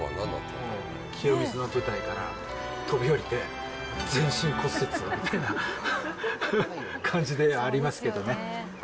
清水の舞台から飛び降りて、全身骨折みたいな感じではありますけどね。